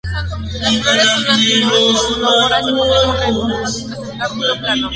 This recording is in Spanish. Las flores son actinomorfas y poseen un receptáculo plano.